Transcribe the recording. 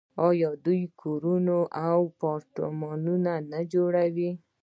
آیا دوی کورونه او اپارتمانونه نه جوړوي؟